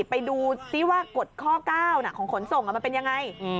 ไปดูซิว่ากฎข้อ๙ของขนส่งมันเป็นยังไง